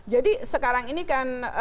jadi sekarang ini kan